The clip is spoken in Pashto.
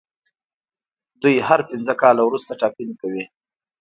دوی هر پنځه کاله وروسته ټاکنې کوي.